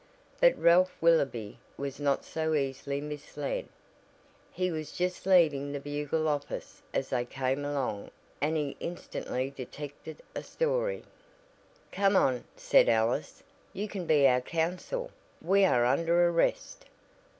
But Ralph Willoby was not so easily misled. He was just leaving the Bugle office as they came along, and he instantly detected a "story." "Come on," said Alice, "you can be our counsel. We are under arrest."